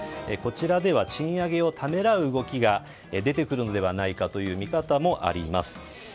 こちらでは賃上げをためらう動きが出てくるのではないかという見方もあります。